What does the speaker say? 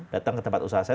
datang ke tempat usaha saya